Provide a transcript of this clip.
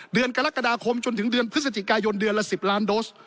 เดือนกรกฎาคมจนถึงเดือนพฤศจิกายนเดือนละ๑๐ล้านโดส